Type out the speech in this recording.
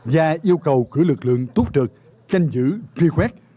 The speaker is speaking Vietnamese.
và yêu cầu cử lực lượng túc trực canh giữ truy quét